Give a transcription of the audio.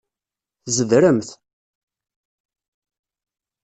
Tzedremt.